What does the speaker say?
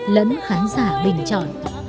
lẫn khán giả bình chọn